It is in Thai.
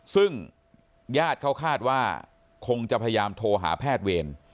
ซึ่งญาติเขาคาดว่าคงจะพยายามโทรหาแพทย์เวร